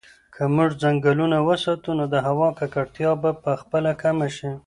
که موږ ځنګلونه وساتو نو د هوا ککړتیا به په خپله کمه شي.